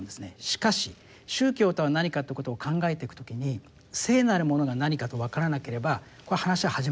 しかし宗教とは何かということを考えていく時に聖なるものが何かとわからなければ話は始まらないと思うんですね。